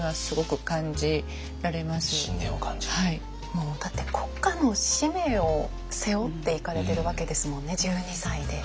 もうだって国家の使命を背負って行かれてるわけですもんね１２歳で。